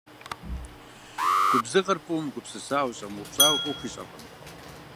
Губзыгъэр фӀыуэ мыгупсысауэ, щӀэмыупщӀауэ Ӏуэху ищӀэркъым.